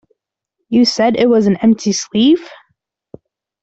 You said it was an empty sleeve?